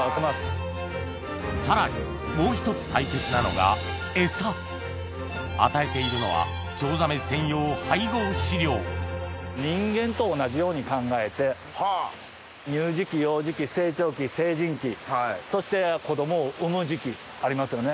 さらにもう１つ大切なのがエサ与えているは人間と同じように考えて乳児期幼児期成長期成人期そして子供を産む時期ありますよね。